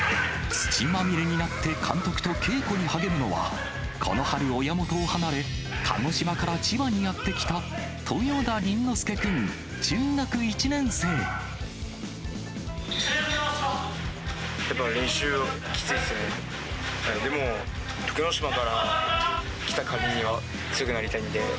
土まみれになって監督と稽古に励むのは、この春、親元を離れ、鹿児島から千葉にやって来た、やっぱ練習きついですね。